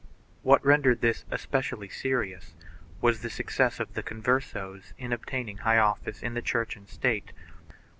What rendered this especially serious was the success of the Converses in obtaining high office in Church and State.